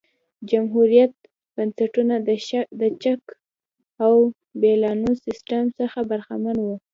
جمهوريت بنسټونه د چک او بیلانس سیستم څخه برخمن وو.